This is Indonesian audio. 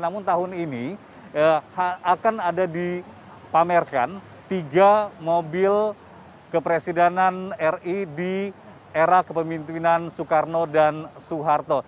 namun tahun ini akan ada dipamerkan tiga mobil kepresidenan ri di era kepemimpinan soekarno dan soeharto